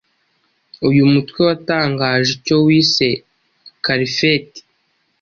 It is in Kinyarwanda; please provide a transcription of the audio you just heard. uyu mutwe watangaje icyo wise "caliphate"